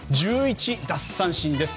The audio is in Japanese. １１奪三振です。